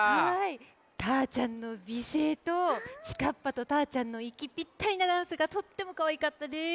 のびせいとちかっぱーとたーちゃんのいきぴったりなダンスがとってもかわいかったです。